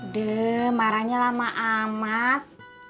deh marahnya lama amat